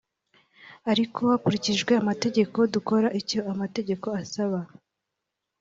ariko hakurikijwe amategeko dukora icyo amategeko asaba